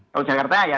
kalau jakarta ya